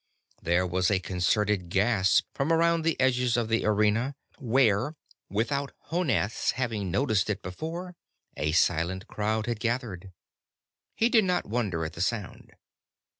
There was a concerted gasp from around the edges of the arena, where, without Honath's having noticed it before, a silent crowd had gathered. He did not wonder at the sound.